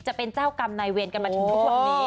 จะเป็นเจ้ากรรมนายเวียนกันฮัวตรงนี้